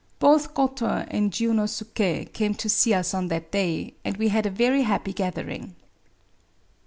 Both Goto and Jiunosuke came to see us on that day ; and we had a very happy gathering.